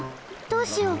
どうしよう！